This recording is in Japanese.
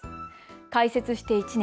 開設して１年。